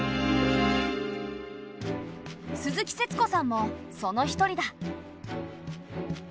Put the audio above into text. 鈴木節子さんもその一人だ。